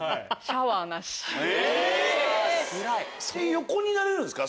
⁉横になれるんすか？